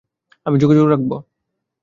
আমি যোগাযোগ রাখব।